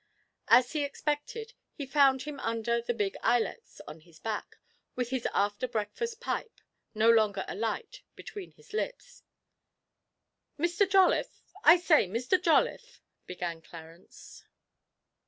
As he expected, he found him under the big ilex on his back, with his after breakfast pipe, no longer alight, between his lips. 'Mr. Jolliffe; I say, Mr. Jolliffe,' began Clarence.